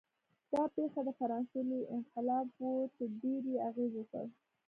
دا پېښه د فرانسې لوی انقلاب و چې ډېر یې اغېز وکړ.